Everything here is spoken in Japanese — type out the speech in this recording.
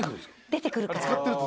出てくるから。